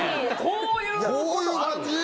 こういう感じ？